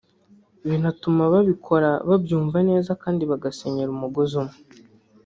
binatuma babikora babyumva neza kandi bagasenyera umugozi umwe